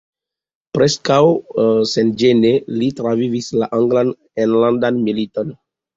Preskaŭ senĝene li travivis la anglan enlandan militon.